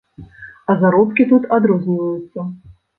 А заробкі тут адрозніваюцца.